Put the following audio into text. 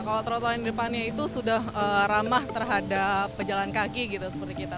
kalau trotoar yang di depannya itu sudah ramah terhadap pejalan kaki gitu seperti kita